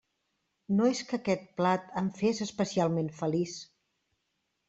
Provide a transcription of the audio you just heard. No és que aquest plat em fes especialment feliç.